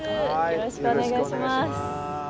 よろしくお願いします。